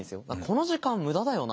「この時間無駄だよな」